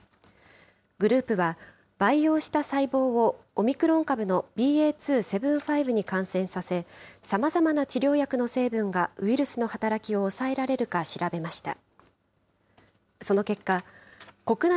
グループは、培養した細胞をオミクロン株のＢＡ．２．７５に感染させ、さまざまな治療薬の成分がウイルスの働きを抑えられるか調べました。